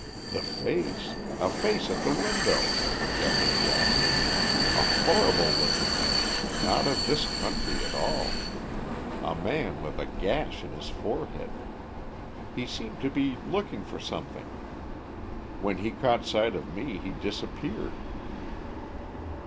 "The face, a face at the window," Geoffrey gasped. "A horrible looking man, not of this country at all; a man with a gash in his forehead. He seemed to be looking for something. When he caught sight of me he disappeared."